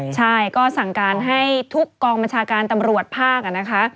ใช่ก็สั่งการให้ทุกกองบัญชาการตำรวจภาคนะคะ